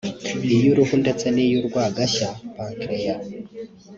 iy’uruhu ndetse n’iy’urwagashya (Pancreas)